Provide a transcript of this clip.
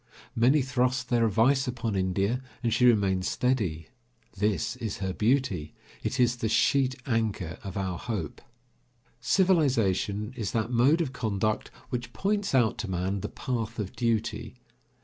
Many thrust their advice upon India, and she remains steady. This is her beauty; it is the sheet anchor of our hope. Civilization is that mode of conduct which points out to man the path of duty.